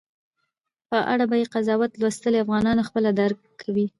په اړه به قضاوت لوستي افغانان خپله درک وي